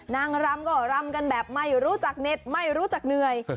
นางรำก็รำกันแบบไม่รู้จักเน็ตไม่รู้จักเหนื่อย